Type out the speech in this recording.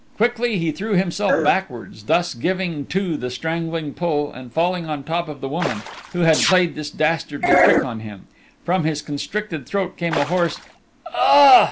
Quickly he threw himself backwards, thus giving to the strangling pull and falling on top of the woman, who had played this dastardly trick on him. From his constricted throat came a hoarse "Ah!"